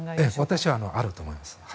私はあると思います。